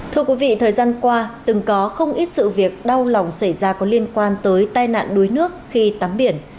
thưa quý vị thời gian qua từng có không ít sự việc đau lòng xảy ra có liên quan tới tai nạn đuối nước khi tắm biển